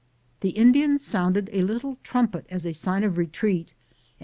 The Indians sounded a little trumpet as a sign of retreat, and did ]